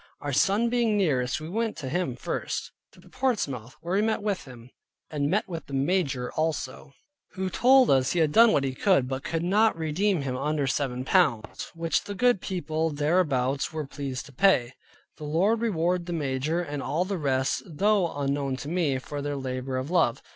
Our son being nearest, we went to him first, to Portsmouth, where we met with him, and with the Major also, who told us he had done what he could, but could not redeem him under seven pounds, which the good people thereabouts were pleased to pay. The Lord reward the major, and all the rest, though unknown to me, for their labor of Love.